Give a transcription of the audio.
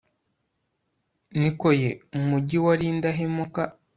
ni ko ye, umugi wari indahemuka